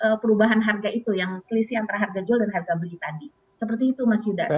seperti itu mas yudha